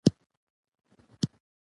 په بس کې معمولاً مطالعه او خوب کولای شم.